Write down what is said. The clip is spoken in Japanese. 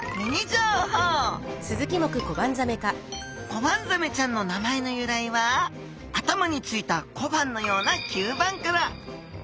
コバンザメちゃんの名前の由来は頭についた小判のような吸盤から。